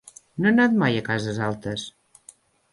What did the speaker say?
No he anat mai a Cases Altes.